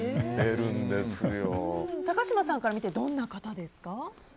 高嶋さんから見てどんな方ですか？